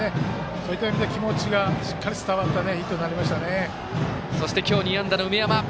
そういった意味では気持ちがしっかり伝わったそして今日２安打の梅山。